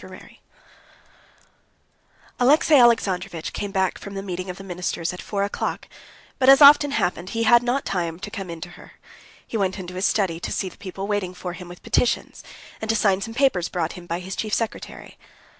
Chapter 33 Alexey Alexandrovitch came back from the meeting of the ministers at four o'clock, but as often happened, he had not time to come in to her. He went into his study to see the people waiting for him with petitions, and to sign some papers brought him by his chief secretary.